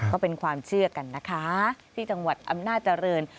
ก็เป็นความเชื่อกันนะคะที่จังหวัดอำนาจริง